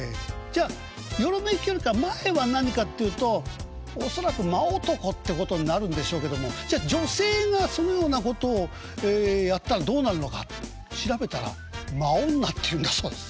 じゃあ「よろめき」よりか前は何かっていうと恐らく「間男」ってことになるんでしょうけどもじゃ女性がそのようなことをやったらどうなるのか調べたら「間女」っていうんだそうです。